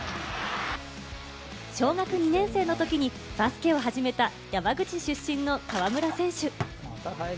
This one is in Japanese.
小学２年生の時にバスケを始めた山口出身の河村選手。